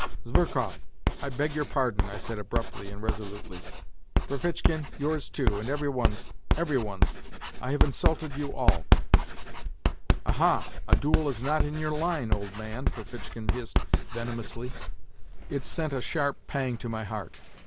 " Zverkov, I beg your pardon," I said abruptly and resolutely. " Ferfitchkin, yours too, and every one's, every one's : I have insulted you all !"" Aha ! A duel is not in your line, old man," Ferfitchkin hissed venomously. NOTES FROM UNDERGROUND 113 It sent a sharp pang to my heart.